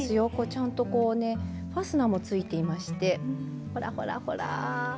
ちゃんとこうねファスナーも付いていましてほらほらほら。